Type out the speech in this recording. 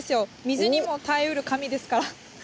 水にも耐えうる紙ですから。